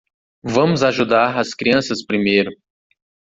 Vamos ajudar as crianças primeiro.